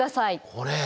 これ？